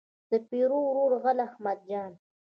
د پیرو ورور غل احمد جان.